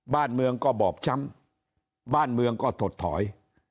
บ้านเมืองก็บอบช้ำบ้านเมืองก็ถดถอย